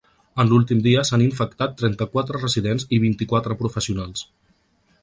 En l’últim dia s’han infectat trenta-quatre residents i vint-i-quatre professionals.